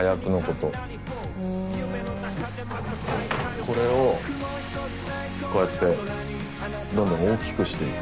これをこうやってどんどん大きくしていく。